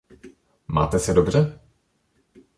Máte se dobře?